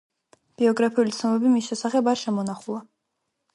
ბიოგრაფიული ცნობები მის შესახებ არ შემონახულა.